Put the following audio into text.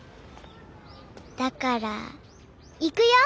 だからいくよ！